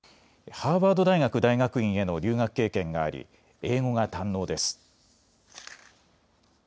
ハーバード大学大学院への留学経験があり英語が堪能です。